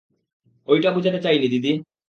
ঐটা বুঝাতে চাই নি, দিদি।